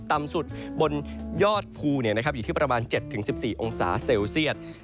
ต่ำสุดบนยอดภูอยู่ที่ประมาณ๗๑๔องศาเซลเซียต